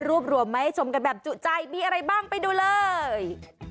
รวมมาให้ชมกันแบบจุใจมีอะไรบ้างไปดูเลย